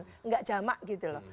tidak jamak gitu loh